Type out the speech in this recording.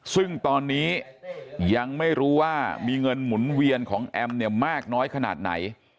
ซึ่งตอนนี้ยังไม่รู้ว่ามีเงินหมุนเวียนของแอมเนี่ยมากน้อยขนาดไหน